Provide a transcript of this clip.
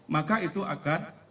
maka itu akan